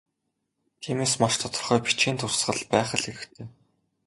Тиймээс, маш тодорхой бичгийн дурсгал байх л хэрэгтэй.